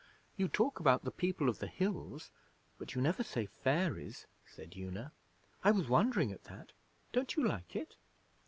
You talk about "the People of the Hills", but you never say "fairies",' said Una. 'I was wondering at that. Don't you like it?'